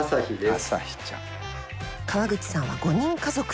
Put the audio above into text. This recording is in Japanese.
川口さんは５人家族！